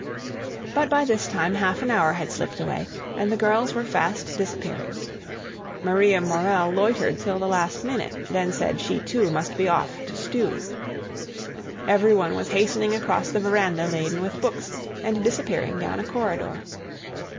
But by this time half an hour had slipped away, and the girls were fast disappearing. Maria Morell loitered till the last minute, then said, she, too, must be off to 'stew'. Every one was hastening across the verandah laden with books, and disappearing down a corridor.